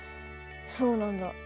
そうなんだ